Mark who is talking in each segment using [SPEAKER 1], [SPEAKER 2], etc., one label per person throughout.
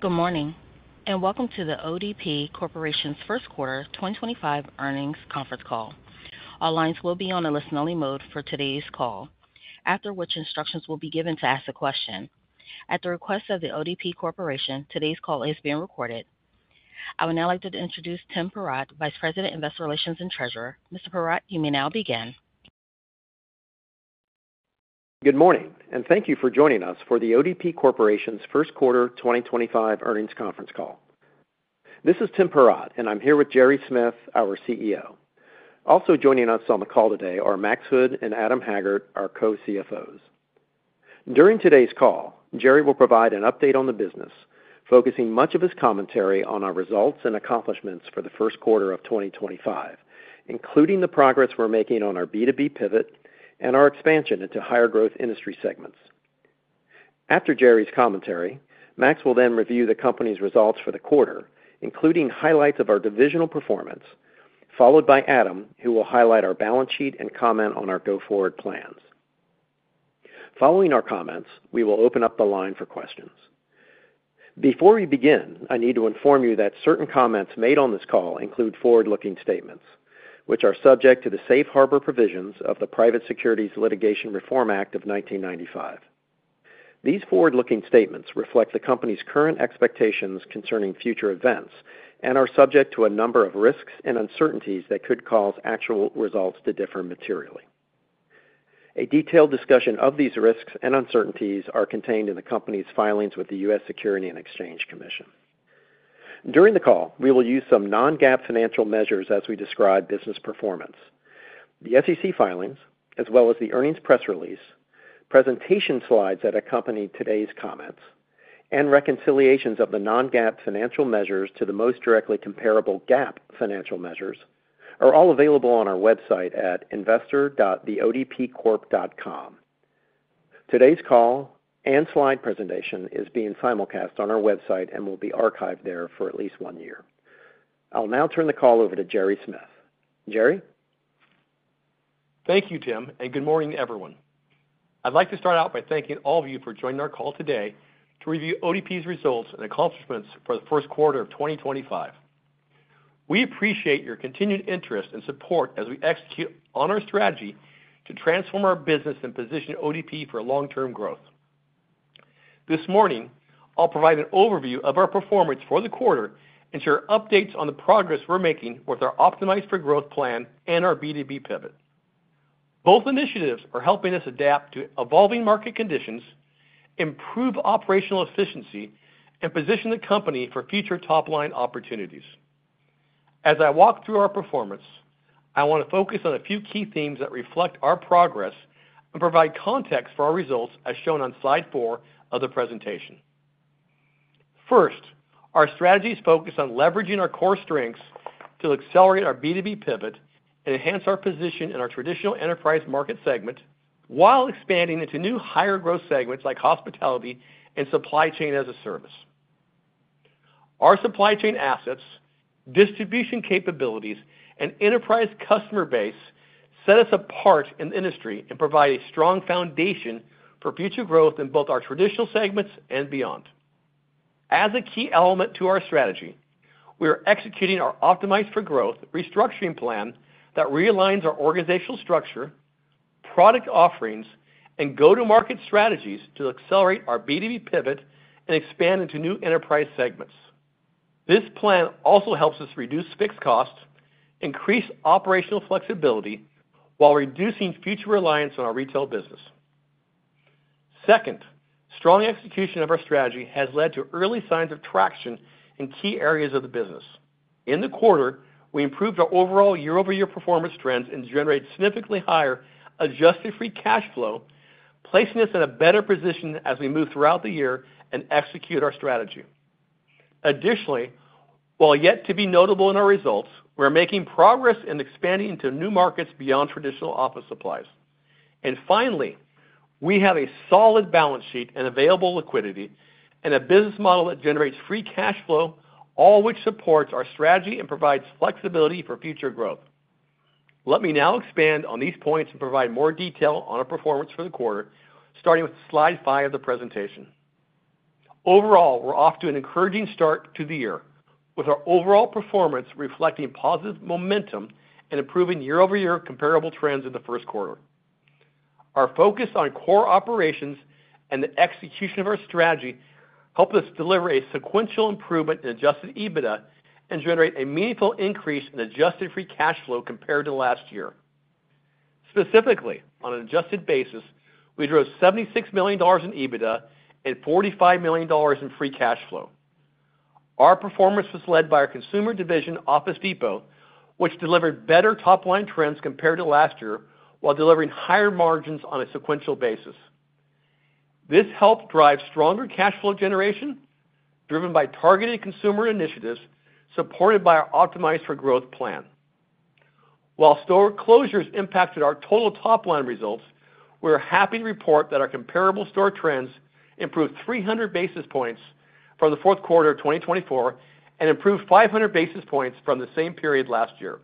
[SPEAKER 1] Good morning and welcome to The ODP Corporation's first quarter 2025 earnings conference call. All lines will be on a listen-only mode for today's call, after which instructions will be given to ask a question. At the request of The ODP Corporation, today's call is being recorded. I would now like to introduce Tim Perrott, Vice President, Investor Relations and Treasurer. Mr. Perrott, you may now begin.
[SPEAKER 2] Good morning and thank you for joining us for The ODP Corporation's first quarter 2025 earnings conference call. This is Tim Perrott, and I'm here with Gerry Smith, our CEO. Also joining us on the call today are Max Hood and Adam Haggard, our co-CFOs. During today's call, Gerry will provide an update on the business, focusing much of his commentary on our results and accomplishments for the first quarter of 2025, including the progress we're making on our B2B pivot and our expansion into higher growth industry segments. After Gerry's commentary, Max will then review the company's results for the quarter, including highlights of our divisional performance, followed by Adam, who will highlight our balance sheet and comment on our go forward plans. Following our comments, we will open up the line for questions. Before we begin, I need to inform you that certain comments made on this call include forward-looking statements, which are subject to the safe harbor provisions of the Private Securities Litigation Reform Act of 1995. These forward-looking statements reflect the company's current expectations concerning future events and are subject to a number of risks and uncertainties that could cause actual results to differ materially. A detailed discussion of these risks and uncertainties are contained in the company's filings with the U.S. Securities and Exchange Commission. During the call, we will use some non-GAAP financial measures as we describe business performance. The SEC filings, as well as the earnings press release, presentation slides that accompany today's comments, and reconciliations of the non-GAAP financial measures to the most directly comparable GAAP financial measures are all available on our website at investor.theodpcorp.com. Today's call and slide presentation is being simulcast on our website and will be archived there for at least one year. I'll now turn the call over to Gerry Smith. Gerry?
[SPEAKER 3] Thank you, Tim, and good morning, everyone. I'd like to start out by thanking all of you for joining our call today to review ODP's results and accomplishments for the first quarter of 2025. We appreciate your continued interest and support as we execute on our strategy to transform our business and position ODP for long-term growth. This morning, I'll provide an overview of our performance for the quarter and share updates on the progress we're making with our Optimize for Growth plan and our B2B pivot. Both initiatives are helping us adapt to evolving market conditions, improve operational efficiency, and position the company for future top-line opportunities. As I walk through our performance, I want to focus on a few key themes that reflect our progress and provide context for our results, as shown on slide four of the presentation. First, our strategies focus on leveraging our core strengths to accelerate our B2B pivot and enhance our position in our traditional enterprise market segment while expanding into new higher growth segments like hospitality and supply chain as a service. Our supply chain assets, distribution capabilities, and enterprise customer base set us apart in the industry and provide a strong foundation for future growth in both our traditional segments and beyond. As a key element to our strategy, we are executing our Optimize for Growth restructuring plan that realigns our organizational structure, product offerings, and go-to-market strategies to accelerate our B2B pivot and expand into new enterprise segments. This plan also helps us reduce fixed costs, increase operational flexibility, while reducing future reliance on our retail business. Second, strong execution of our strategy has led to early signs of traction in key areas of the business. In the quarter, we improved our overall year-over-year performance trends and generated significantly higher adjusted free cash flow, placing us in a better position as we move throughout the year and execute our strategy. Additionally, while yet to be notable in our results, we're making progress in expanding into new markets beyond traditional office supplies. Finally, we have a solid balance sheet and available liquidity and a business model that generates free cash flow, all which supports our strategy and provides flexibility for future growth. Let me now expand on these points and provide more detail on our performance for the quarter, starting with slide five of the presentation. Overall, we're off to an encouraging start to the year, with our overall performance reflecting positive momentum and improving year-over-year comparable trends in the first quarter. Our focus on core operations and the execution of our strategy helped us deliver a sequential improvement in adjusted EBITDA and generate a meaningful increase in adjusted free cash flow compared to last year. Specifically, on an adjusted basis, we drove $76 million in EBITDA and $45 million in free cash flow. Our performance was led by our consumer division, Office Depot, which delivered better top-line trends compared to last year while delivering higher margins on a sequential basis. This helped drive stronger cash flow generation driven by targeted consumer initiatives supported by our Optimize for Growth plan. While store closures impacted our total top-line results, we're happy to report that our comparable store trends improved 300 basis points from the fourth quarter of 2024 and improved 500 basis points from the same period last year.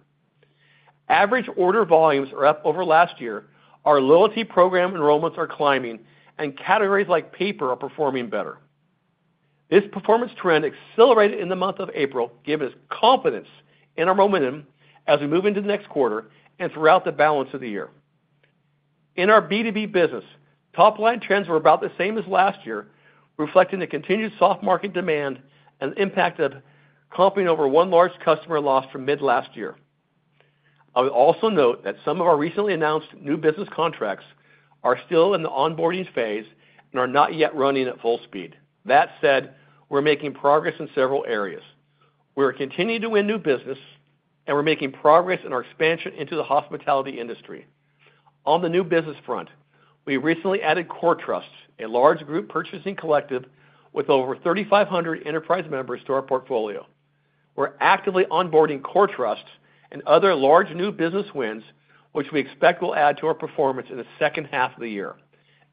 [SPEAKER 3] Average order volumes are up over last year, our loyalty program enrollments are climbing, and categories like paper are performing better. This performance trend accelerated in the month of April, giving us confidence in our momentum as we move into the next quarter and throughout the balance of the year. In our B2B business, top-line trends were about the same as last year, reflecting the continued soft market demand and the impact of one large customer lost from mid-last year. I would also note that some of our recently announced new business contracts are still in the onboarding phase and are not yet running at full speed. That said, we're making progress in several areas. We're continuing to win new business, and we're making progress in our expansion into the hospitality industry. On the new business front, we recently added CoreTrust, a large group purchasing collective with over 3,500 enterprise members to our portfolio. We're actively onboarding CoreTrust and other large new business wins, which we expect will add to our performance in the second half of the year.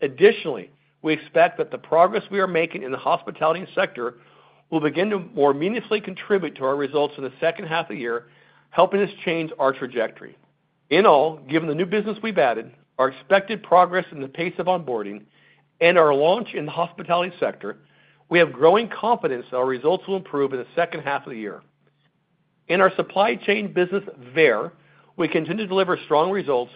[SPEAKER 3] Additionally, we expect that the progress we are making in the hospitality sector will begin to more meaningfully contribute to our results in the second half of the year, helping us change our trajectory. In all, given the new business we've added, our expected progress in the pace of onboarding, and our launch in the hospitality sector, we have growing confidence that our results will improve in the second half of the year. In our supply chain business, Veyer, we continue to deliver strong results,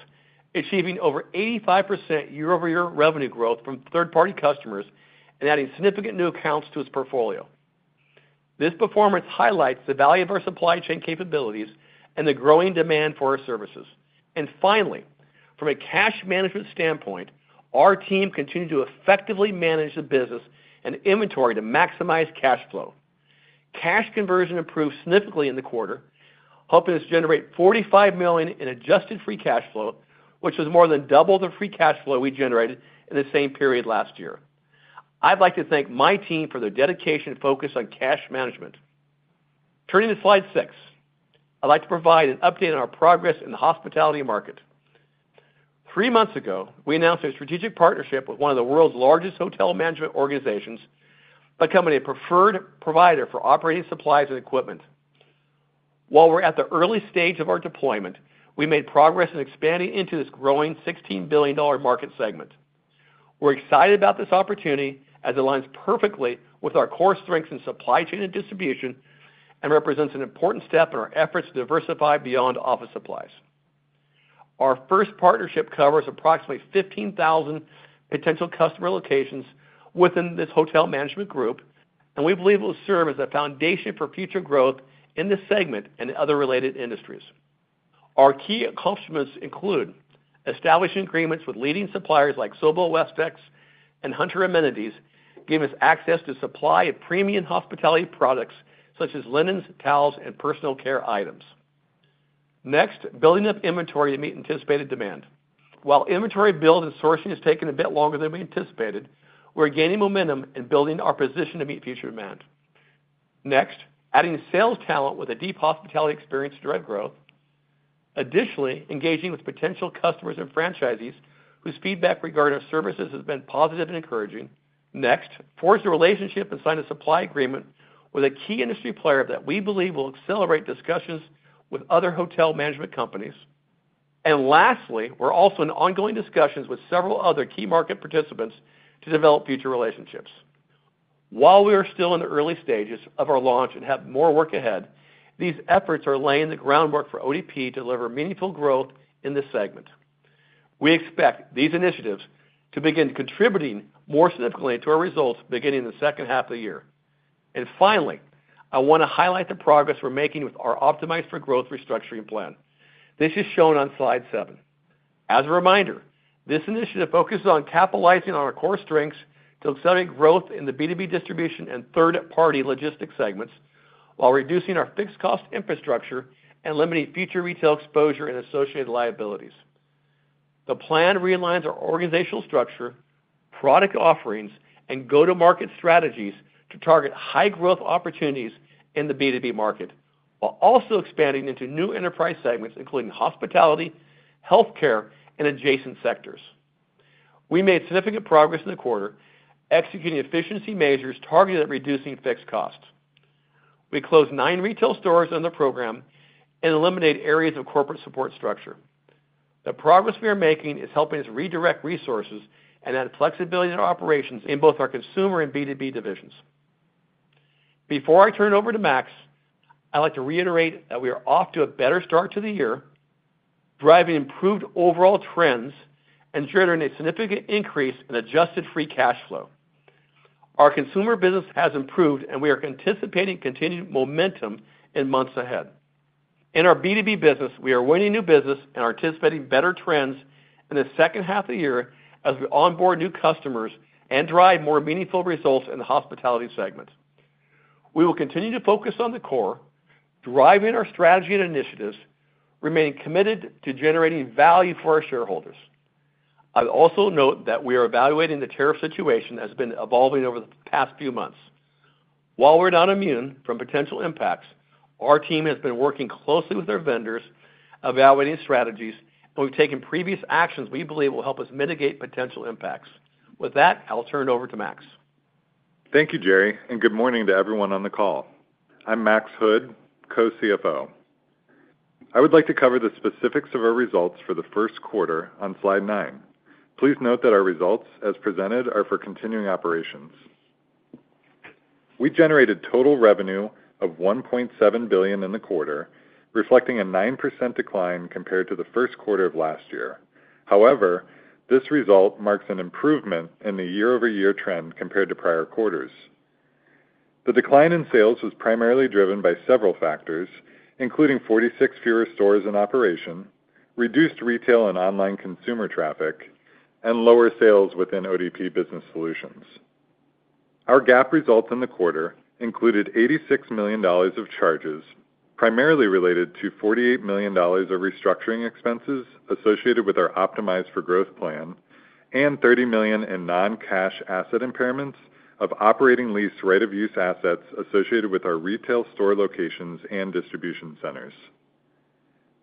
[SPEAKER 3] achieving over 85% year-over-year revenue growth from third-party customers and adding significant new accounts to its portfolio. This performance highlights the value of our supply chain capabilities and the growing demand for our services. Finally, from a cash management standpoint, our team continues to effectively manage the business and inventory to maximize cash flow. Cash conversion improved significantly in the quarter, helping us generate $45 million in adjusted free cash flow, which was more than double the free cash flow we generated in the same period last year. I'd like to thank my team for their dedication and focus on cash management. Turning to slide six, I'd like to provide an update on our progress in the hospitality market. Three months ago, we announced a strategic partnership with one of the world's largest hotel management organizations, becoming a preferred provider for operating supplies and equipment. While we're at the early stage of our deployment, we made progress in expanding into this growing $16 billion market segment. We're excited about this opportunity as it aligns perfectly with our core strengths in supply chain and distribution and represents an important step in our efforts to diversify beyond office supplies. Our first partnership covers approximately 15,000 potential customer locations within this hotel management group, and we believe it will serve as a foundation for future growth in this segment and other related industries. Our key accomplishments include establishing agreements with leading suppliers like Sobel Westex and Hunter Amenities, giving us access to supply of premium hospitality products such as linens, towels, and personal care items. Next, building up inventory to meet anticipated demand. While inventory build and sourcing has taken a bit longer than we anticipated, we're gaining momentum in building our position to meet future demand. Next, adding sales talent with a deep hospitality experience to drive growth. Additionally, engaging with potential customers and franchisees whose feedback regarding our services has been positive and encouraging. Next, forged a relationship and signed a supply agreement with a key industry player that we believe will accelerate discussions with other hotel management companies. Lastly, we're also in ongoing discussions with several other key market participants to develop future relationships. While we are still in the early stages of our launch and have more work ahead, these efforts are laying the groundwork for ODP to deliver meaningful growth in this segment. We expect these initiatives to begin contributing more significantly to our results beginning in the second half of the year. Finally, I want to highlight the progress we're making with our Optimize for Growth restructuring plan. This is shown on slide seven. As a reminder, this initiative focuses on capitalizing on our core strengths to accelerate growth in the B2B distribution and third-party logistics segments while reducing our fixed cost infrastructure and limiting future retail exposure and associated liabilities. The plan realigns our organizational structure, product offerings, and go-to-market strategies to target high-growth opportunities in the B2B market, while also expanding into new enterprise segments, including hospitality, healthcare, and adjacent sectors. We made significant progress in the quarter, executing efficiency measures targeted at reducing fixed costs. We closed nine retail stores under the program and eliminated areas of corporate support structure. The progress we are making is helping us redirect resources and add flexibility to our operations in both our consumer and B2B divisions. Before I turn it over to Max, I'd like to reiterate that we are off to a better start to the year, driving improved overall trends and generating a significant increase in adjusted free cash flow. Our consumer business has improved, and we are anticipating continued momentum in months ahead. In our B2B business, we are winning new business and anticipating better trends in the second half of the year as we onboard new customers and drive more meaningful results in the hospitality segment. We will continue to focus on the core, driving our strategy and initiatives, remaining committed to generating value for our shareholders. I would also note that we are evaluating the tariff situation that has been evolving over the past few months. While we're not immune from potential impacts, our team has been working closely with our vendors, evaluating strategies, and we've taken previous actions we believe will help us mitigate potential impacts. With that, I'll turn it over to Max.
[SPEAKER 4] Thank you, Gerry, and good morning to everyone on the call. I'm Max Hood, Co-CFO. I would like to cover the specifics of our results for the first quarter on slide nine. Please note that our results, as presented, are for continuing operations. We generated total revenue of $1.7 billion in the quarter, reflecting a 9% decline compared to the first quarter of last year. However, this result marks an improvement in the year-over-year trend compared to prior quarters. The decline in sales was primarily driven by several factors, including 46 fewer stores in operation, reduced retail and online consumer traffic, and lower sales within ODP Business Solutions. Our GAAP results in the quarter included $86 million of charges, primarily related to $48 million of restructuring expenses associated with our Optimize for Growth plan, and $30 million in non-cash asset impairments of operating lease right-of-use assets associated with our retail store locations and distribution centers.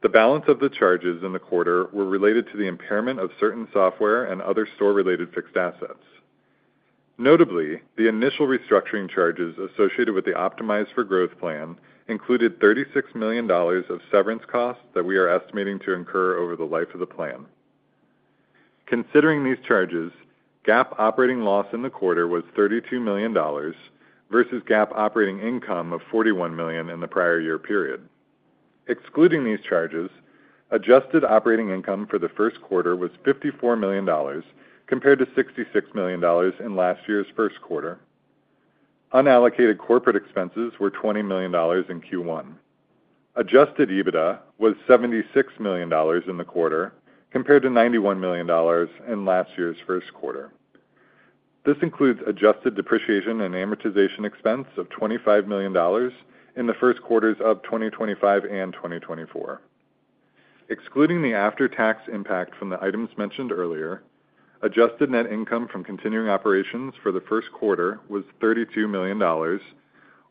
[SPEAKER 4] The balance of the charges in the quarter was related to the impairment of certain software and other store-related fixed assets. Notably, the initial restructuring charges associated with the Optimize for Growth plan included $36 million of severance costs that we are estimating to incur over the life of the plan. Considering these charges, GAAP operating loss in the quarter was $32 million versus GAAP operating income of $41 million in the prior year period. Excluding these charges, adjusted operating income for the first quarter was $54 million compared to $66 million in last year's first quarter. Unallocated corporate expenses were $20 million in Q1. Adjusted EBITDA was $76 million in the quarter compared to $91 million in last year's first quarter. This includes adjusted depreciation and amortization expense of $25 million in the first quarters of 2025 and 2024. Excluding the after-tax impact from the items mentioned earlier, adjusted net income from continuing operations for the first quarter was $32 million,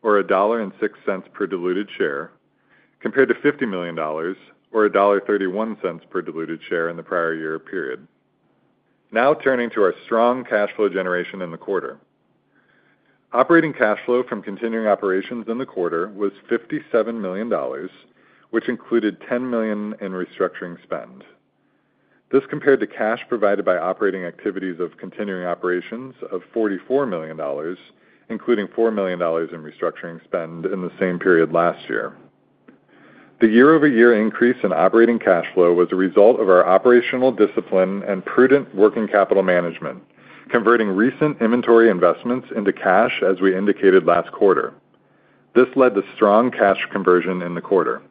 [SPEAKER 4] or $1.06 per diluted share, compared to $50 million, or $1.31 per diluted share in the prior year period. Now turning to our strong cash flow generation in the quarter. Operating cash flow from continuing operations in the quarter was $57 million, which included $10 million in restructuring spend. This compared to cash provided by operating activities of continuing operations of $44 million, including $4 million in restructuring spend in the same period last year. The year-over-year increase in operating cash flow was a result of our operational discipline and prudent working capital management, converting recent inventory investments into cash as we indicated last quarter. This led to strong cash conversion in the quarter.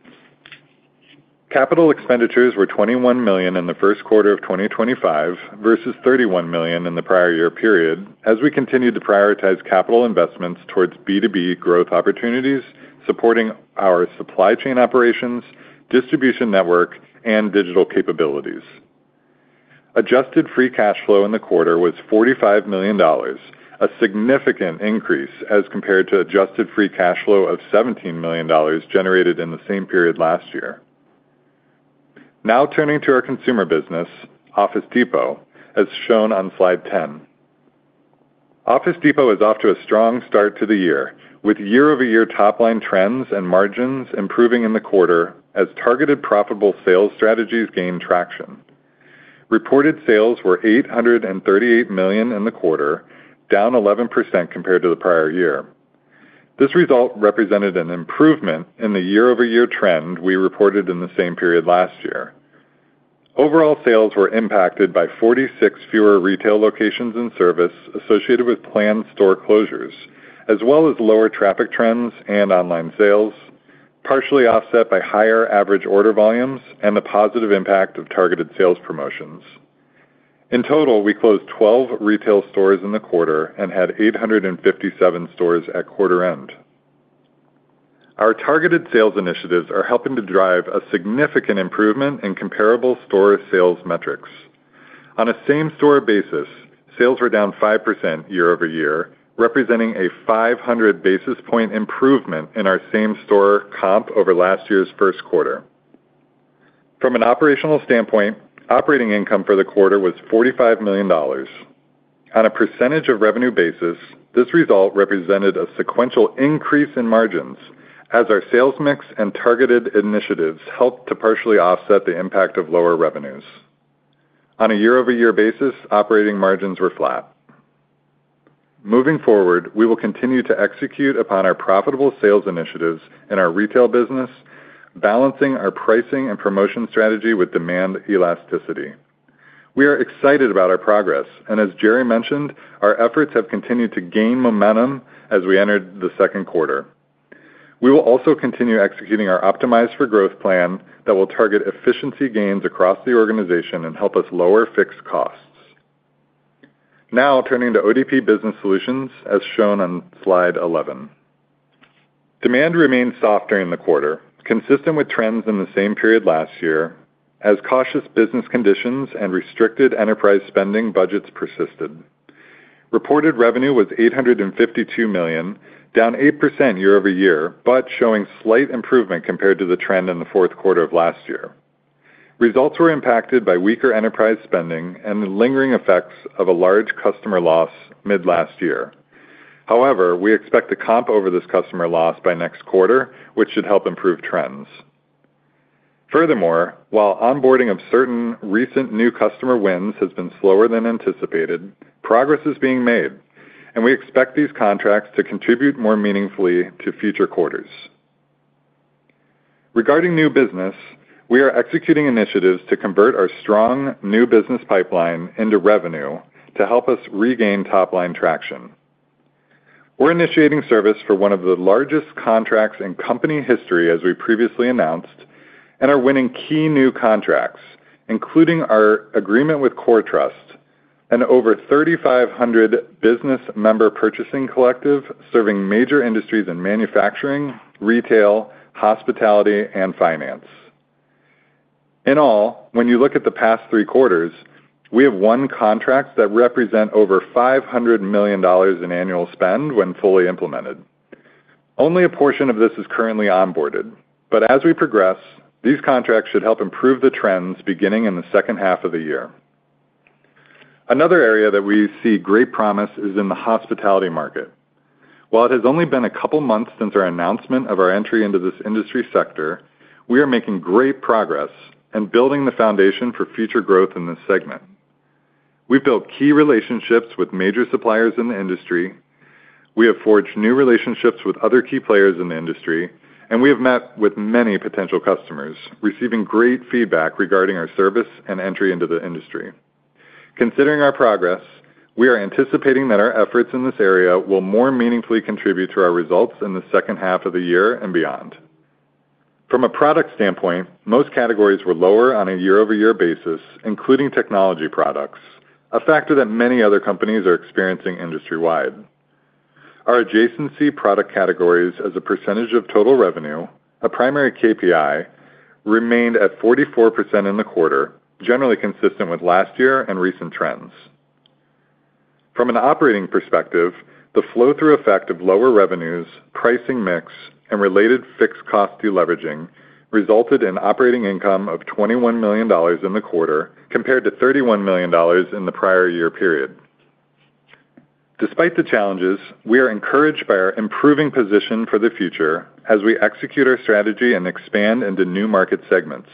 [SPEAKER 4] Capital expenditures were $21 million in the first quarter of 2025 versus $31 million in the prior year period as we continued to prioritize capital investments towards B2B growth opportunities supporting our supply chain operations, distribution network, and digital capabilities. Adjusted free cash flow in the quarter was $45 million, a significant increase as compared to adjusted free cash flow of $17 million generated in the same period last year. Now turning to our consumer business, Office Depot, as shown on slide 10. Office Depot is off to a strong start to the year, with year-over-year top-line trends and margins improving in the quarter as targeted profitable sales strategies gained traction. Reported sales were $838 million in the quarter, down 11% compared to the prior year. This result represented an improvement in the year-over-year trend we reported in the same period last year. Overall sales were impacted by 46 fewer retail locations and service associated with planned store closures, as well as lower traffic trends and online sales, partially offset by higher average order volumes and the positive impact of targeted sales promotions. In total, we closed 12 retail stores in the quarter and had 857 stores at quarter end. Our targeted sales initiatives are helping to drive a significant improvement in comparable store sales metrics. On a same-store basis, sales were down 5% year-over-year, representing a 500 basis point improvement in our same-store comp over last year's first quarter. From an operational standpoint, operating income for the quarter was $45 million. On a % of revenue basis, this result represented a sequential increase in margins as our sales mix and targeted initiatives helped to partially offset the impact of lower revenues. On a year-over-year basis, operating margins were flat. Moving forward, we will continue to execute upon our profitable sales initiatives in our retail business, balancing our pricing and promotion strategy with demand elasticity. We are excited about our progress, and as Gerry mentioned, our efforts have continued to gain momentum as we entered the second quarter. We will also continue executing our Optimize for Growth plan that will target efficiency gains across the organization and help us lower fixed costs. Now turning to ODP Business Solutions, as shown on slide 11. Demand remained soft during the quarter, consistent with trends in the same period last year, as cautious business conditions and restricted enterprise spending budgets persisted. Reported revenue was $852 million, down 8% year-over-year, but showing slight improvement compared to the trend in the fourth quarter of last year. Results were impacted by weaker enterprise spending and the lingering effects of a large customer loss mid-last year. However, we expect to comp over this customer loss by next quarter, which should help improve trends. Furthermore, while onboarding of certain recent new customer wins has been slower than anticipated, progress is being made, and we expect these contracts to contribute more meaningfully to future quarters. Regarding new business, we are executing initiatives to convert our strong new business pipeline into revenue to help us regain top-line traction. We're initiating service for one of the largest contracts in company history, as we previously announced, and are winning key new contracts, including our agreement with CoreTrust and over 3,500 business member purchasing collective serving major industries in manufacturing, retail, hospitality, and finance. In all, when you look at the past three quarters, we have won contracts that represent over $500 million in annual spend when fully implemented. Only a portion of this is currently onboarded, but as we progress, these contracts should help improve the trends beginning in the second half of the year. Another area that we see great promise is in the hospitality market. While it has only been a couple of months since our announcement of our entry into this industry sector, we are making great progress and building the foundation for future growth in this segment. We've built key relationships with major suppliers in the industry. We have forged new relationships with other key players in the industry, and we have met with many potential customers, receiving great feedback regarding our service and entry into the industry. Considering our progress, we are anticipating that our efforts in this area will more meaningfully contribute to our results in the second half of the year and beyond. From a product standpoint, most categories were lower on a year-over-year basis, including technology products, a factor that many other companies are experiencing industry-wide. Our adjacency product categories as a percentage of total revenue, a primary KPI, remained at 44% in the quarter, generally consistent with last year and recent trends. From an operating perspective, the flow-through effect of lower revenues, pricing mix, and related fixed cost deleveraging resulted in operating income of $21 million in the quarter compared to $31 million in the prior year period. Despite the challenges, we are encouraged by our improving position for the future as we execute our strategy and expand into new market segments.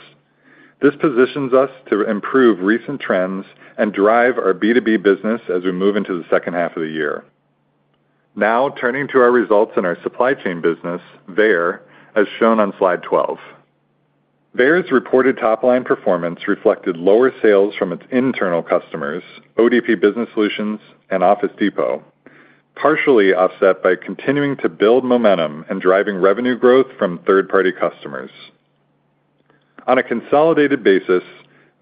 [SPEAKER 4] This positions us to improve recent trends and drive our B2B business as we move into the second half of the year. Now turning to our results in our supply chain business, Veyer, as shown on slide 12. Veyer's reported top-line performance reflected lower sales from its internal customers, ODP Business Solutions, and Office Depot, partially offset by continuing to build momentum and driving revenue growth from third-party customers. On a consolidated basis,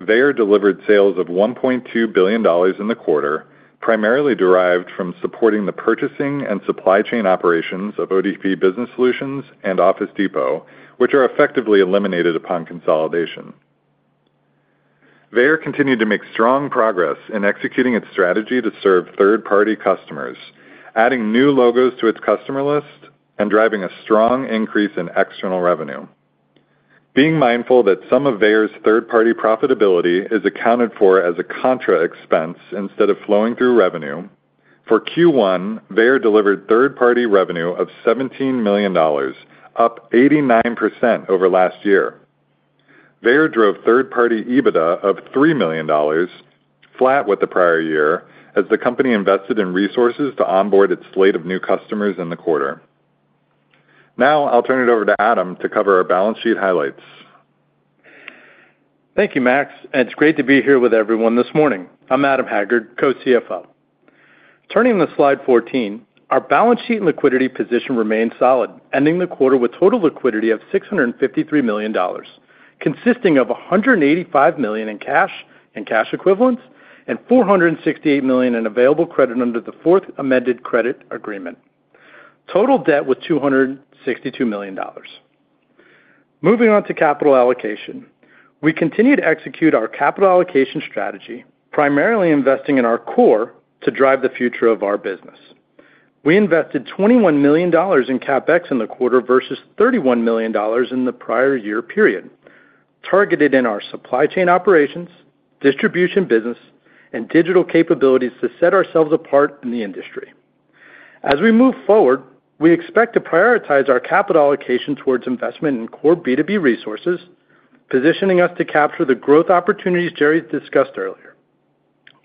[SPEAKER 4] Veyer delivered sales of $1.2 billion in the quarter, primarily derived from supporting the purchasing and supply chain operations of ODP Business Solutions and Office Depot, which are effectively eliminated upon consolidation. Veyer continued to make strong progress in executing its strategy to serve third-party customers, adding new logos to its customer list, and driving a strong increase in external revenue. Being mindful that some of Veyer's third-party profitability is accounted for as a contra expense instead of flowing through revenue, for Q1, Veyer delivered third-party revenue of $17 million, up 89% over last year. Veyer drove third-party EBITDA of $3 million, flat with the prior year, as the company invested in resources to onboard its slate of new customers in the quarter. Now I'll turn it over to Adam to cover our balance sheet highlights.
[SPEAKER 5] Thank you, Max. It's great to be here with everyone this morning. I'm Adam Haggard, Co-CFO. Turning to slide 14, our balance sheet and liquidity position remained solid, ending the quarter with total liquidity of $653 million, consisting of $185 million in cash and cash equivalents and $468 million in available credit under the Fourth Amended Credit Agreement. Total debt was $262 million. Moving on to capital allocation, we continued to execute our capital allocation strategy, primarily investing in our core to drive the future of our business. We invested $21 million in CapEx in the quarter versus $31 million in the prior year period, targeted in our supply chain operations, distribution business, and digital capabilities to set ourselves apart in the industry. As we move forward, we expect to prioritize our capital allocation towards investment in core B2B resources, positioning us to capture the growth opportunities Gerry discussed earlier.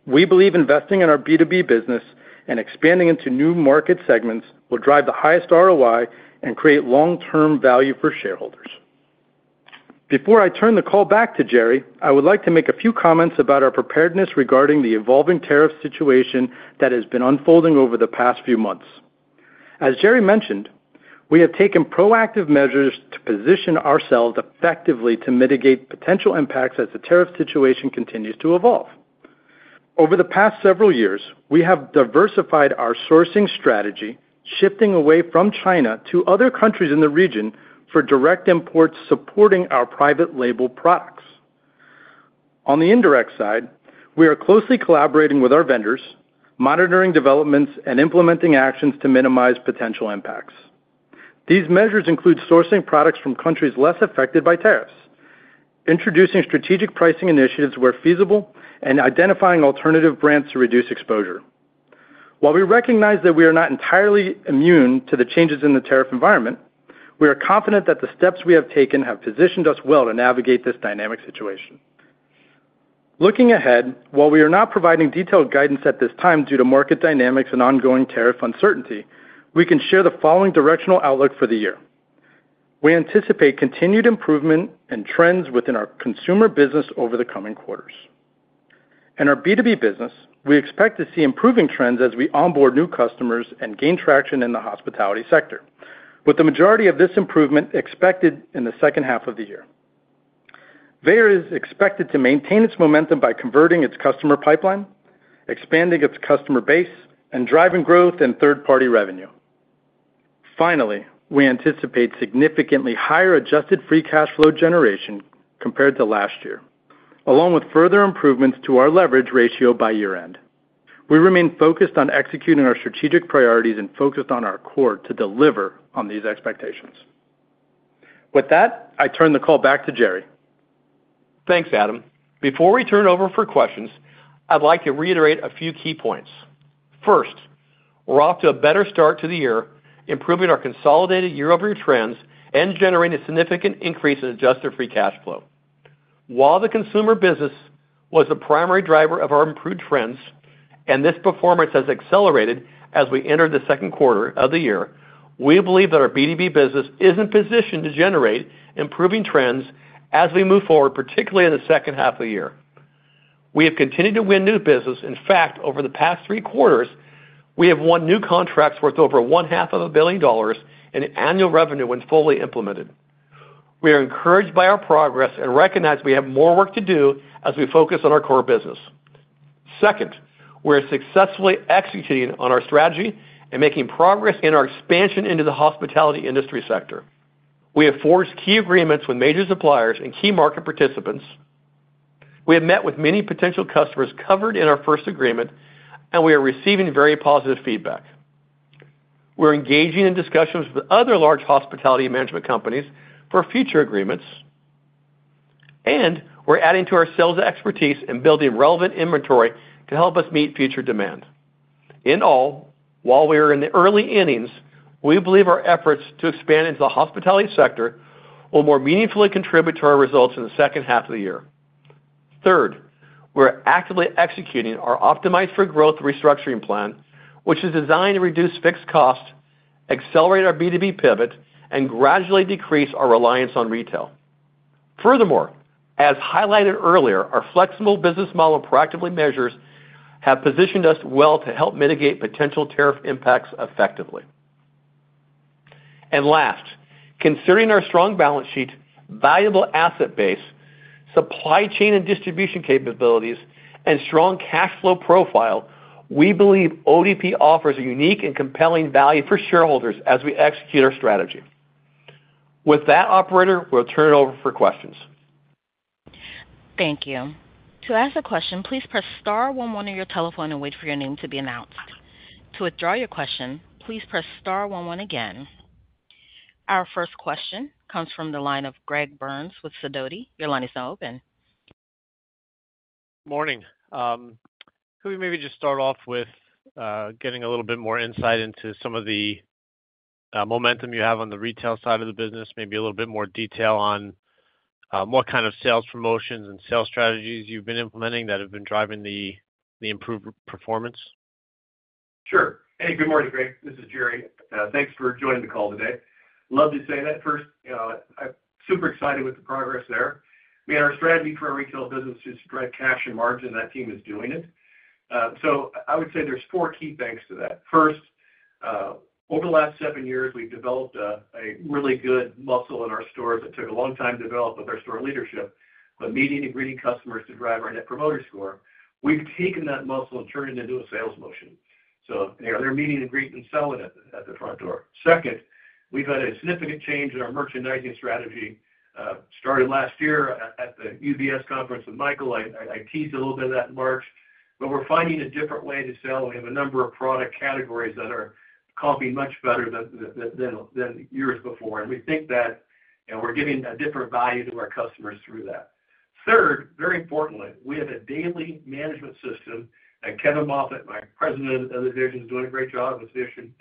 [SPEAKER 5] We believe investing in our B2B business and expanding into new market segments will drive the highest ROI and create long-term value for shareholders. Before I turn the call back to Gerry, I would like to make a few comments about our preparedness regarding the evolving tariff situation that has been unfolding over the past few months. As Gerry mentioned, we have taken proactive measures to position ourselves effectively to mitigate potential impacts as the tariff situation continues to evolve. Over the past several years, we have diversified our sourcing strategy, shifting away from China to other countries in the region for direct imports supporting our private label products. On the indirect side, we are closely collaborating with our vendors, monitoring developments, and implementing actions to minimize potential impacts. These measures include sourcing products from countries less affected by tariffs, introducing strategic pricing initiatives where feasible, and identifying alternative brands to reduce exposure. While we recognize that we are not entirely immune to the changes in the tariff environment, we are confident that the steps we have taken have positioned us well to navigate this dynamic situation. Looking ahead, while we are not providing detailed guidance at this time due to market dynamics and ongoing tariff uncertainty, we can share the following directional outlook for the year. We anticipate continued improvement and trends within our consumer business over the coming quarters. In our B2B business, we expect to see improving trends as we onboard new customers and gain traction in the hospitality sector, with the majority of this improvement expected in the second half of the year. Veyer is expected to maintain its momentum by converting its customer pipeline, expanding its customer base, and driving growth in third-party revenue. Finally, we anticipate significantly higher adjusted free cash flow generation compared to last year, along with further improvements to our leverage ratio by year-end. We remain focused on executing our strategic priorities and focused on our core to deliver on these expectations. With that, I turn the call back to Gerry.
[SPEAKER 3] Thanks, Adam. Before we turn it over for questions, I'd like to reiterate a few key points. First, we're off to a better start to the year, improving our consolidated year-over-year trends and generating a significant increase in adjusted free cash flow. While the consumer business was the primary driver of our improved trends, and this performance has accelerated as we entered the second quarter of the year, we believe that our B2B business is in position to generate improving trends as we move forward, particularly in the second half of the year. We have continued to win new business. In fact, over the past three quarters, we have won new contracts worth over $500 million in annual revenue when fully implemented. We are encouraged by our progress and recognize we have more work to do as we focus on our core business. Second, we are successfully executing on our strategy and making progress in our expansion into the hospitality industry sector. We have forged key agreements with major suppliers and key market participants. We have met with many potential customers covered in our first agreement, and we are receiving very positive feedback. We're engaging in discussions with other large hospitality management companies for future agreements, and we're adding to our sales expertise and building relevant inventory to help us meet future demand. In all, while we are in the early innings, we believe our efforts to expand into the hospitality sector will more meaningfully contribute to our results in the second half of the year. Third, we're actively executing our Optimize for Growth restructuring plan, which is designed to reduce fixed costs, accelerate our B2B pivot, and gradually decrease our reliance on retail. Furthermore, as highlighted earlier, our flexible business model proactively measures have positioned us well to help mitigate potential tariff impacts effectively. Last, considering our strong balance sheet, valuable asset base, supply chain and distribution capabilities, and strong cash flow profile, we believe ODP offers a unique and compelling value for shareholders as we execute our strategy. With that, Operator, we'll turn it over for questions.
[SPEAKER 1] Thank you. To ask a question, please press star 11 on your telephone and wait for your name to be announced. To withdraw your question, please press star 11 again. Our first question comes from the line of Greg Burns with SIDOTI. Your line is now open.
[SPEAKER 6] Morning. Could we maybe just start off with getting a little bit more insight into some of the momentum you have on the retail side of the business, maybe a little bit more detail on what kind of sales promotions and sales strategies you've been implementing that have been driving the improved performance?
[SPEAKER 3] Sure. Hey, good morning, Greg. This is Gerry. Thanks for joining the call today. Love to say that first. I'm super excited with the progress there. I mean, our strategy for our retail business is to drive cash and margin, and that team is doing it. I would say there's four key things to that. First, over the last seven years, we've developed a really good muscle in our stores that took a long time to develop with our store leadership, but meeting and greeting customers to drive our net promoter score. We've taken that muscle and turned it into a sales motion. They're meeting and greeting and selling at the front door. Second, we've had a significant change in our merchandising strategy. Started last year at the UBS conference with Michael. I teased a little bit of that in March, but we're finding a different way to sell. We have a number of product categories that are copying much better than years before. We think that we're giving a different value to our customers through that. Third, very importantly, we have a daily management system, and Kevin Moffitt, [president of the division], is doing a great job with this mission,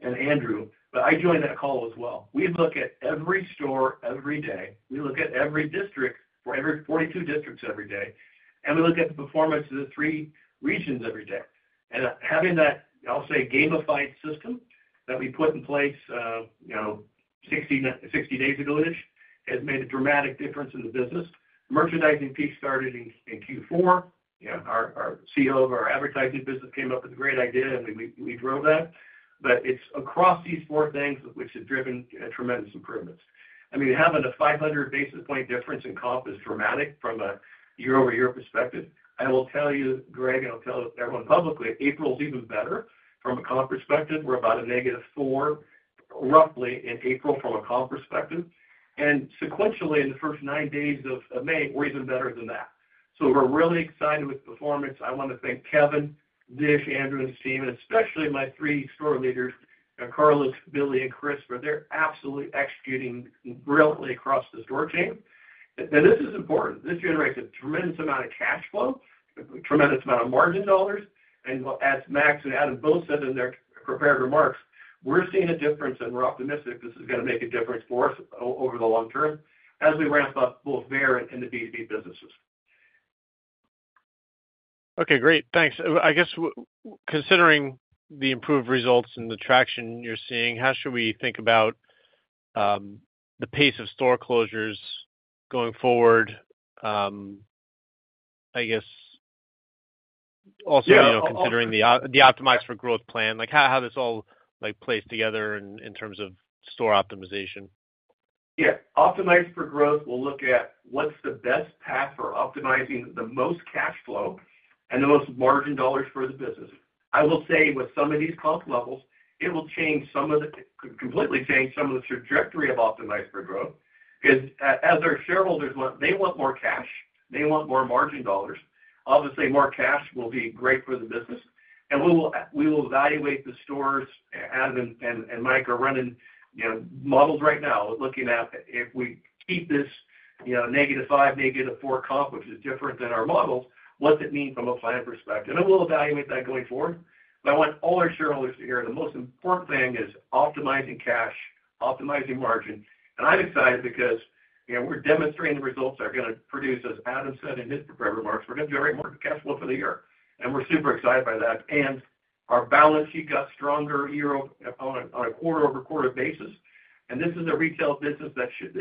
[SPEAKER 3] and Andrew. I joined that call as well. We look at every store every day. We look at every district for every 42 districts every day, and we look at the performance of the three regions every day. Having that, I'll say, gamified system that we put in place 60 days ago-ish has made a dramatic difference in the business. Merchandising peak started in Q4. Our CEO of our advertising business came up with a great idea, and we drove that. It is across these four things which have driven tremendous improvements. I mean, having a 500 basis point difference in comp is dramatic from a year-over-year perspective. I will tell you, Greg, and I'll tell everyone publicly, April is even better. From a comp perspective, we're about a negative 4%, roughly, in April from a comp perspective. Sequentially, in the first nine days of May, we're even better than that. We are really excited with performance. I want to thank Kevin, [Dish], Andrew, and his team, and especially my three store leaders, Carlos, Billy, and Chris, for their absolute executing brilliantly across the store chain. This is important. This generates a tremendous amount of cash flow, a tremendous amount of margin dollars. As Max and Adam both said in their prepared remarks, we're seeing a difference, and we're optimistic this is going to make a difference for us over the long term as we ramp up both Veyer and the B2B businesses.
[SPEAKER 6] Okay. Great. Thanks. I guess, considering the improved results and the traction you're seeing, how should we think about the pace of store closures going forward? I guess, also considering the Optimize for Growth plan, how this all plays together in terms of store optimization. Yeah. Optimize for Growth, we'll look at what's the best path for optimizing the most cash flow and the most margin dollars for the business. I will say, with some of these cost levels, it will completely change some of the trajectory of Optimize for Growth because, as our shareholders want, they want more cash. They want more margin dollars. Obviously, more cash will be great for the business. We will evaluate the stores. Adam and Mike are running models right now, looking at if we keep this negative 5%, negative 4% comp, which is different than our models, what's it mean from a plan perspective? We will evaluate that going forward. I want all our shareholders to hear the most important thing is optimizing cash, optimizing margin. I'm excited because we're demonstrating the results are going to produce, as Adam said in his prepared remarks, we're going to generate more cash flow for the year. We're super excited by that. Our balance sheet got stronger on a quarter-over-quarter basis. This is a retail business that should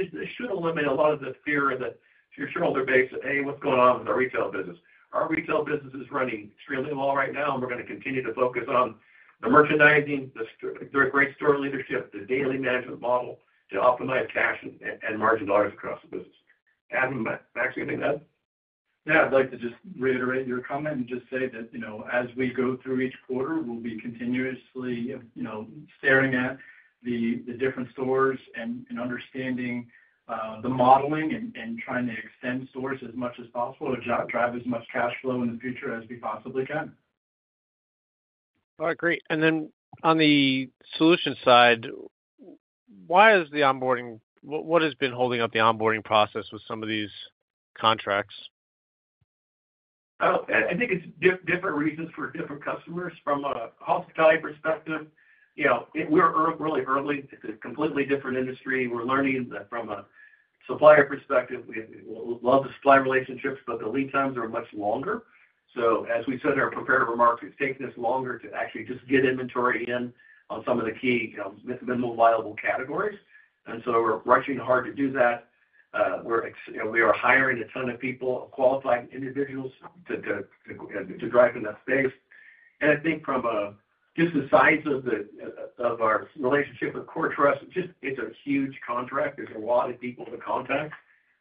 [SPEAKER 6] eliminate a lot of the fear of the shareholder base, "Hey, what's going on with our retail business?" Our retail business is running extremely well right now, and we're going to continue to focus on the merchandising, the great store leadership, the daily management model to optimize cash and margin dollars across the business. Adam, Max, anything to add?
[SPEAKER 5] Yeah. I'd like to just reiterate your comment and just say that, as we go through each quarter, we'll be continuously staring at the different stores and understanding the modeling and trying to extend stores as much as possible to drive as much cash flow in the future as we possibly can.
[SPEAKER 6] All right. Great. On the solution side, why is the onboarding—what has been holding up the onboarding process with some of these contracts?
[SPEAKER 3] I think it's different reasons for different customers. From a hospitality perspective, we're really early. It's a completely different industry. We're learning from a supplier perspective. We love the supply relationships, but the lead times are much longer. As we said in our prepared remarks, it's taken us longer to actually just get inventory in on some of the key minimal viable categories. We are rushing hard to do that. We are hiring a ton of people, qualified individuals, to drive enough space. I think from just the size of our relationship with CoreTrust, it's a huge contract. There are a lot of people to contact.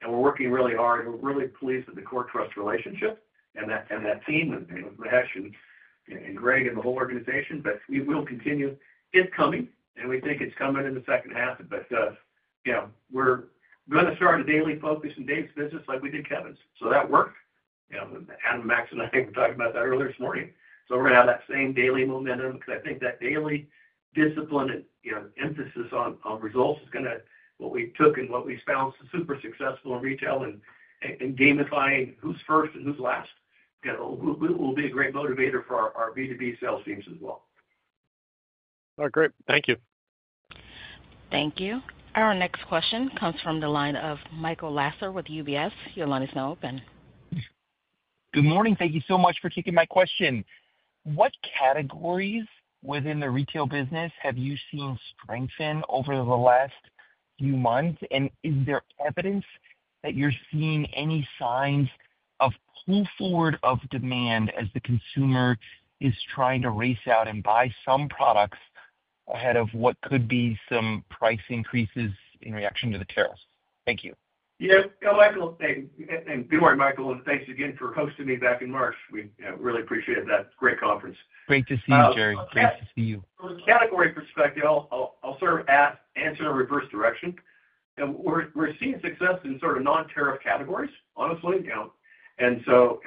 [SPEAKER 3] We are working really hard. We're really pleased with the CoreTrust relationship and that team with Max and Greg and the whole organization. We will continue. It's coming, and we think it's coming in the second half. We are going to start a daily focus in Dave's business like we did Kevin's. That worked. Adam, Max, and I were talking about that earlier this morning. We are going to have that same daily momentum because I think that daily discipline and emphasis on results is going to—what we took and what we found super successful in retail and gamifying who's first and who's last will be a great motivator for our B2B sales teams as well.
[SPEAKER 6] All right. Great. Thank you.
[SPEAKER 1] Thank you. Our next question comes from the line of Michael Lasser with UBS. Your line is now open.
[SPEAKER 7] Good morning. Thank you so much for taking my question. What categories within the retail business have you seen strengthen over the last few months? Is there evidence that you're seeing any signs of pull forward of demand as the consumer is trying to race out and buy some products ahead of what could be some price increases in reaction to the tariffs? Thank you.
[SPEAKER 3] Yeah. Michael, thanks. Good morning, Michael. Thanks again for hosting me back in March. We really appreciate that. Great conference.
[SPEAKER 7] Great to see you, Gerry. Great to see you.
[SPEAKER 3] From a category perspective, I'll sort of answer in reverse direction. We're seeing success in sort of non-tariff categories, honestly. And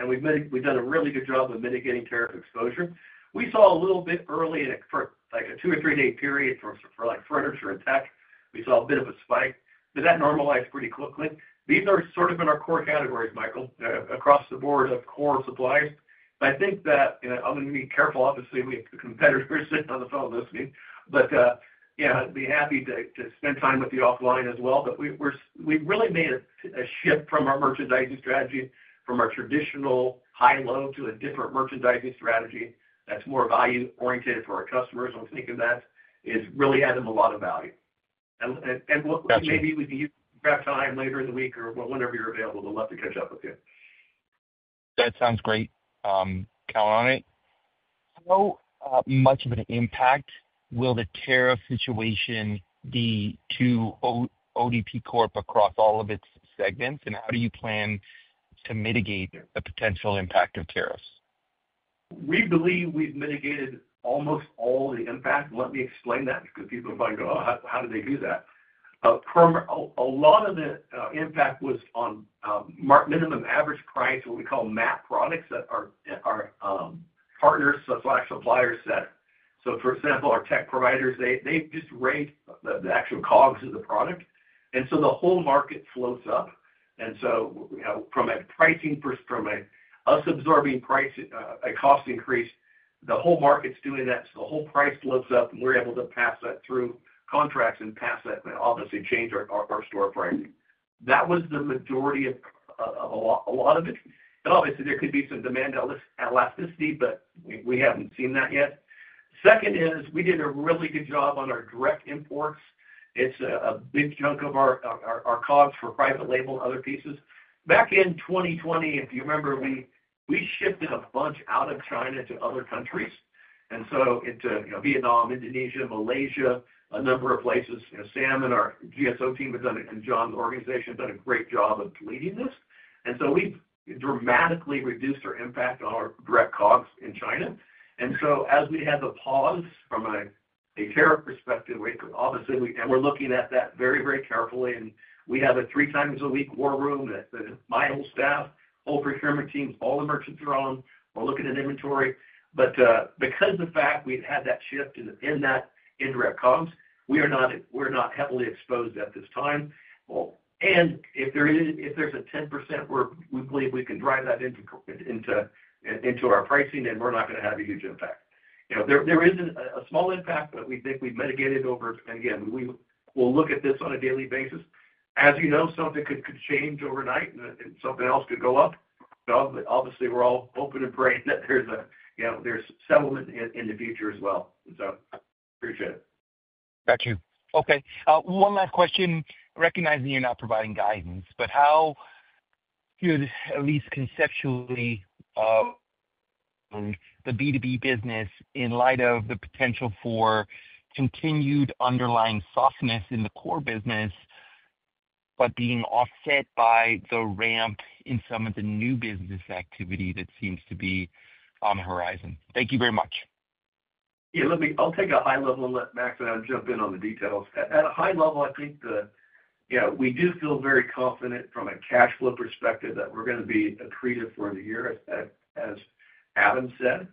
[SPEAKER 3] we've done a really good job of mitigating tariff exposure. We saw a little bit early in a two or three-day period for furniture and tech. We saw a bit of a spike, but that normalized pretty quickly. These are sort of in our core categories, Michael, across the board of core suppliers. I think that I'm going to be careful, obviously. We have competitors sitting on the phone listening. But yeah, I'd be happy to spend time with you offline as well. But we really made a shift from our merchandising strategy, from our traditional high low to a different merchandising strategy that's more value-oriented for our customers. I'm thinking that has really added a lot of value. Maybe we can grab time later in the week or whenever you're available. I'd love to catch up with you.
[SPEAKER 7] That sounds great. Count on it. How much of an impact will the tariff situation be to ODP Corp across all of its segments, and how do you plan to mitigate the potential impact of tariffs?
[SPEAKER 3] We believe we've mitigated almost all the impact. Let me explain that because people might go, "Oh, how did they do that?" A lot of the impact was on minimum average price, what we call MAP products, that our partners/suppliers set. For example, our tech providers, they just rate the actual COGS of the product. The whole market floats up. From a pricing, from us absorbing a cost increase, the whole market's doing that. The whole price floats up, and we're able to pass that through contracts and pass that and obviously change our store pricing. That was the majority of a lot of it. Obviously, there could be some demand elasticity, but we haven't seen that yet. Second is we did a really good job on our direct imports. It's a big chunk of our COGS for private label and other pieces. Back in 2020, if you remember, we shipped in a bunch out of China to other countries. Into Vietnam, Indonesia, Malaysia, a number of places. Sam and our GSO team have done it, and John's organization, have done a great job of leading this. We have dramatically reduced our impact on our direct COGS in China. As we had the pause from a tariff perspective, obviously, we're looking at that very, very carefully. We have a three times a week war room that my whole staff, all procurement teams, all the merchants are on. We're looking at inventory. Because of the fact we've had that shift in that indirect COGS, we are not heavily exposed at this time. If there's a 10% where we believe we can drive that into our pricing, then we're not going to have a huge impact. There is a small impact, but we think we've mitigated over. Again, we'll look at this on a daily basis. As you know, something could change overnight, and something else could go up. Obviously, we're all hoping and praying that there's settlement in the future as well. I appreciate it.
[SPEAKER 7] Got you. Okay. One last question. Recognizing you're not providing guidance, but how could, at least conceptually, the B2B business, in light of the potential for continued underlying softness in the core business, but being offset by the ramp in some of the new business activity that seems to be on the horizon? Thank you very much.
[SPEAKER 3] Yeah. I'll take a high level and let Max and Adam jump in on the details. At a high level, I think we do feel very confident from a cash flow perspective that we're going to be accretive for the year, as Adam said.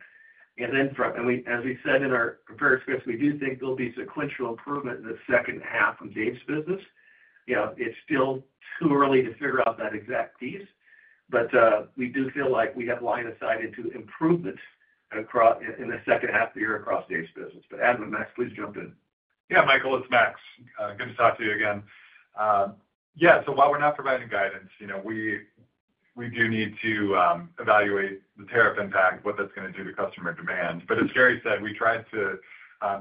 [SPEAKER 3] As we said in our prepared experience, we do think there'll be sequential improvement in the second half of Dave's business. It's still too early to figure out that exact piece, but we do feel like we have line of sight into improvements in the second half of the year across Dave's business. Adam and Max, please jump in.
[SPEAKER 4] Yeah, Michael, it's Max. Good to talk to you again. Yeah. While we're not providing guidance, we do need to evaluate the tariff impact, what that's going to do to customer demand. As Gerry said, we tried to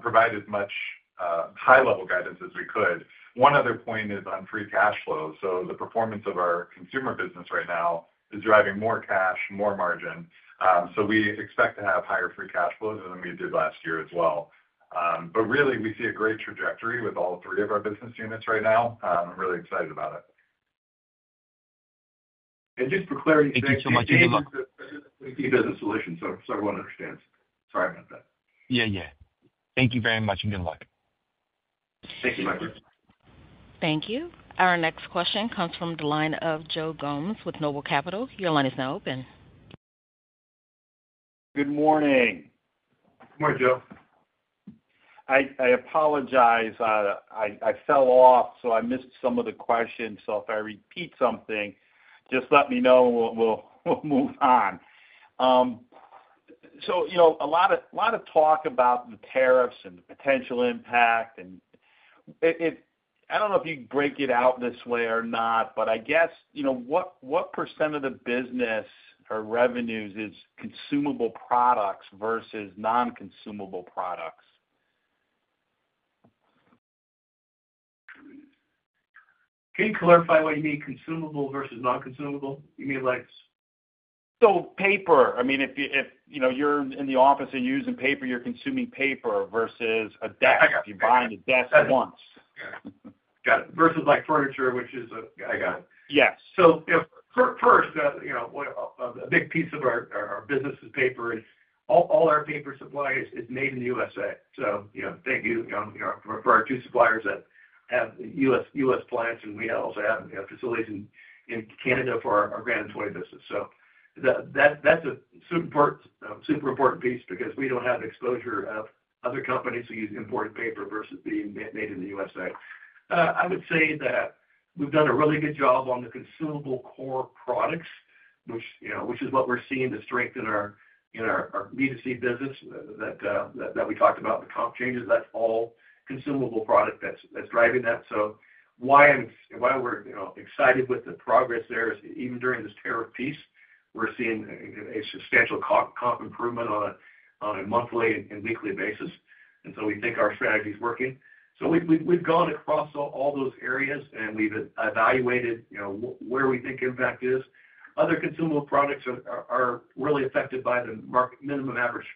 [SPEAKER 4] provide as much high-level guidance as we could. One other point is on free cash flow. The performance of our consumer business right now is driving more cash, more margin. We expect to have higher free cash flows than we did last year as well. Really, we see a great trajectory with all three of our business units right now. I'm really excited about it.
[SPEAKER 3] Just for clarity, for the business solution. So everyone understands. Sorry about that.
[SPEAKER 7] Yeah, yeah. Thank you very much and good luck.
[SPEAKER 3] Thank you, Michael.
[SPEAKER 1] Thank you. Our next question comes from the line of Joe Gomes with NOBLE Capital. Your line is now open.
[SPEAKER 8] Good morning.
[SPEAKER 3] Good morning, Joe.
[SPEAKER 8] I apologize. I fell off, so I missed some of the questions. If I repeat something, just let me know and we'll move on. A lot of talk about the tariffs and the potential impact. I do not know if you'd break it out this way or not, but I guess what % of the business or revenues is consumable products versus non-consumable products?
[SPEAKER 3] Can you clarify what you mean, consumable versus non-consumable? You mean like?
[SPEAKER 8] Paper. I mean, if you're in the office and you're using paper, you're consuming paper versus a desk. You're buying a desk once.
[SPEAKER 3] Got it. Versus furniture, which is a—I got it.
[SPEAKER 8] Yes.
[SPEAKER 3] First, a big piece of our business is paper. All our paper supply is made in the U.S. Thank you to our two suppliers that have U.S. plants, and we also have facilities in Canada for our granulatory business. That is a super important piece because we do not have exposure like other companies who use imported paper versus being made in the U.S. I would say that we have done a really good job on the consumable core products, which is what we are seeing to strengthen our B2C business that we talked about, the comp changes. That is all consumable product that is driving that. Why we are excited with the progress there is, even during this tariff piece, we are seeing a substantial comp improvement on a monthly and weekly basis. We think our strategy is working. We have gone across all those areas, and we have evaluated where we think impact is. Other consumable products are really affected by the minimum average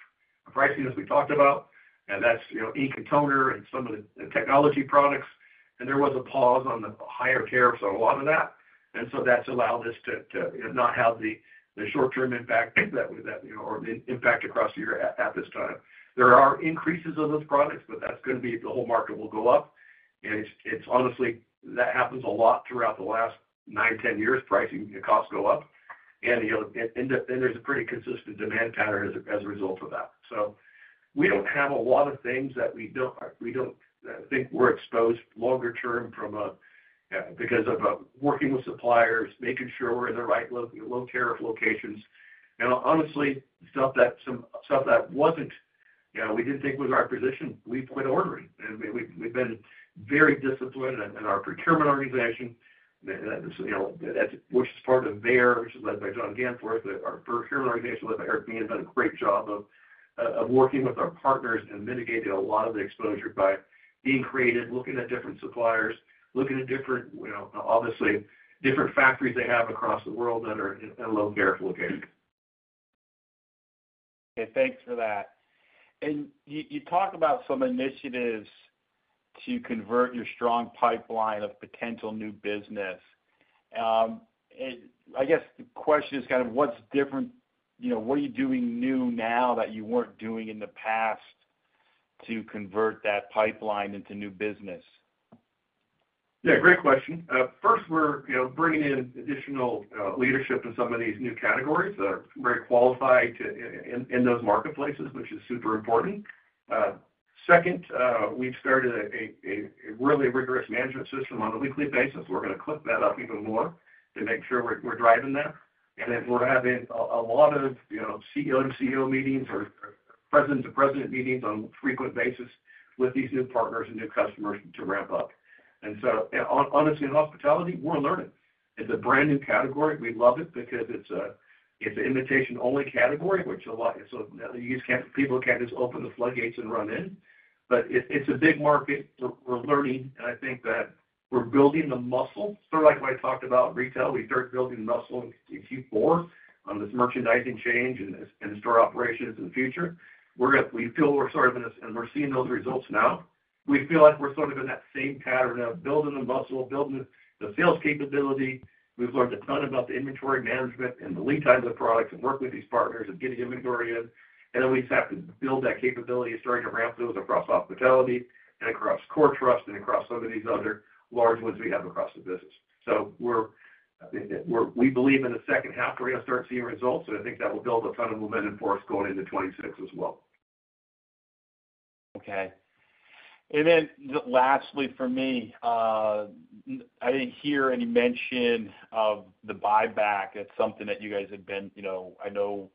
[SPEAKER 3] pricing, as we talked about. That is in container and some of the technology products. There was a pause on the higher tariffs on a lot of that. That has allowed us to not have the short-term impact or the impact across the year at this time. There are increases of those products, but that is going to be the whole market will go up. Honestly, that happens a lot throughout the last nine, ten years. Pricing and costs go up. There is a pretty consistent demand pattern as a result of that. We do not have a lot of things that we do not think we are exposed longer term because of working with suppliers, making sure we are in the right low tariff locations. stuff that was not—we did not think was our position, we quit ordering. We have been very disciplined in our procurement organization which is a part of of Veyer led by John Gannfors, our procurement organization [led by Eric Bean], done a great job of working with our partners and mitigating a lot of the exposure by being creative, looking at different suppliers, looking at, obviously, different factories they have across the world that are in low tariff locations.
[SPEAKER 8] Okay. Thanks for that. You talked about some initiatives to convert your strong pipeline of potential new business. I guess the question is kind of what is different? What are you doing new now that you were not doing in the past to convert that pipeline into new business?
[SPEAKER 3] Yeah. Great question. First, we're bringing in additional leadership in some of these new categories that are very qualified in those marketplaces, which is super important. Second, we've started a really rigorous management system on a weekly basis. We're going to clip that up even more to make sure we're driving that. Then we're having a lot of CEO and CEO meetings or president-to-president meetings on a frequent basis with these new partners and new customers to ramp up. Honestly, hospitality, we're learning. It's a brand new category. We love it because it's an invitation-only category, which a lot of people can't just open the floodgates and run in. It is a big market. We're learning. I think that we're building the muscle. Like what I talked about, retail, we start building the muscle in Q4 on this merchandising change and store operations in the future. We feel we're sort of in this, and we're seeing those results now. We feel like we're sort of in that same pattern of building the muscle, building the sales capability. We've learned a ton about the inventory management and the lead time of the products and working with these partners and getting inventory in. We just have to build that capability and starting to ramp those across hospitality and across CoreTrust and across some of these other large ones we have across the business. We believe in the second half, we're going to start seeing results. I think that will build a ton of momentum for us going into 2026 as well.
[SPEAKER 8] Okay. Lastly, for me, I did not hear any mention of the buyback. It is something that you guys had been—I know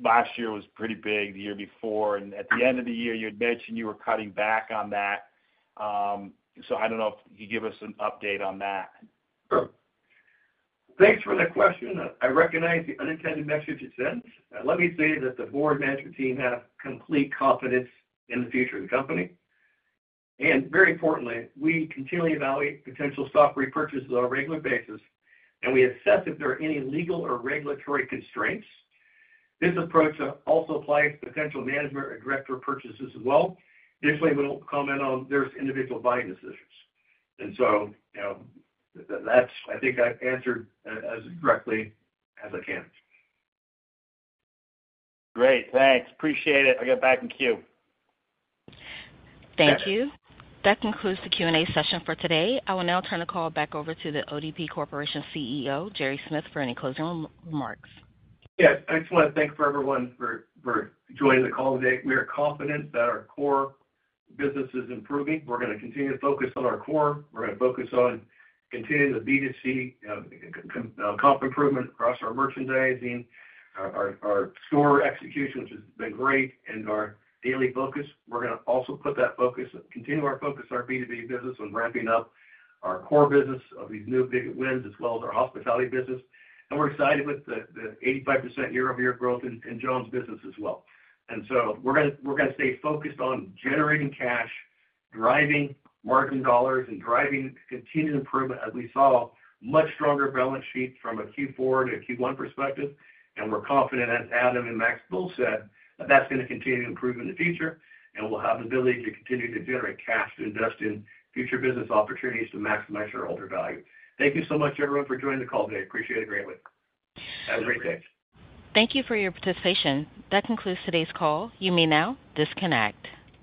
[SPEAKER 8] last year was pretty big, the year before. At the end of the year, you had mentioned you were cutting back on that. I do not know if you could give us an update on that.
[SPEAKER 3] Thanks for the question. I recognize the unintended message it sends. Let me say that the board management team has complete confidence in the future of the company. Very importantly, we continually evaluate potential stock repurchases on a regular basis, and we assess if there are any legal or regulatory constraints. This approach also applies to potential management or director purchases as well. Additionally, we do not comment on their individual buying decisions. I think I have answered as directly as I can.
[SPEAKER 8] Great. Thanks. Appreciate it. I'll get back in queue.
[SPEAKER 1] Thank you. That concludes the Q&A session for today. I will now turn the call back over to The ODP Corporation CEO, Gerry Smith, for any closing remarks.
[SPEAKER 3] Yes. Excellent. Thank you everyone for joining the call today. We are confident that our core business is improving. We're going to continue to focus on our core. We're going to focus on continuing the B2C comp improvement across our merchandising, our store execution, which has been great, and our daily focus. We're going to also continue our focus on our B2B business and ramping up our core business of these new big wins, as well as our hospitality business. We are excited with the 85% year-over-year growth in John's business as well. We are going to stay focused on generating cash, driving margin dollars, and driving continued improvement, as we saw a much stronger balance sheet from a Q4 to Q1 perspective. We are confident, as Adam and Max both said, that that's going to continue to improve in the future. We will have the ability to continue to generate cash to invest in future business opportunities to maximize our ODP value. Thank you so much, everyone, for joining the call today. Appreciate it greatly. Have a great day.
[SPEAKER 1] Thank you for your participation. That concludes today's call. You may now disconnect.